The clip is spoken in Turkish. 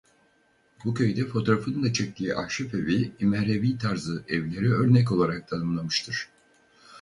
Bu köyde fotoğrafını da çektiği ahşap evi İmerhevi tarzı evlere örnek olarak tanımlamıştır.